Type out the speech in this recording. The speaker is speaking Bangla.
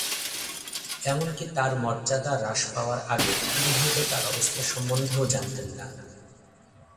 এমনকি তার মর্যাদা হ্রাস পাওয়ার আগে তিনি হয়তো তার অবস্থা সম্বন্ধেও জানতেন না।